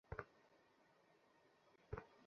দেখা হবে, পিচ্চু।